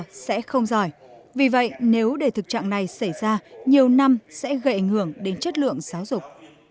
trò sẽ không giỏi vì vậy nếu đề thực trạng này xảy ra nhiều năm sẽ gây ảnh hưởng đến chất lượng giáo dục